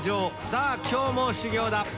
さあ今日も修行だ」。